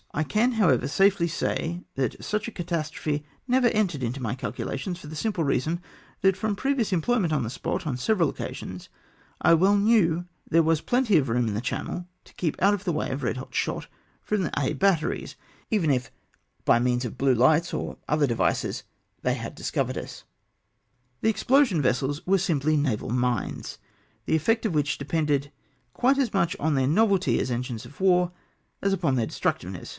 I can, however, safely say, that such a catastrophe never entered into my calculations, for the simple reason, that from previous employment on the spot, on several occasions, I well knew there was plenty of room in the channel to keep out of the way of red hot shot from the Aix batteries, even if, by means of blue hghts or other devices, they had discovered us. The explosion vessels were simply naval mines, the effect of which depended quite as much on their novelty as engines of war, as upon theu* destructiveness.